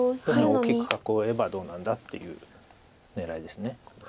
大きく囲えばどうなんだっていう狙いです。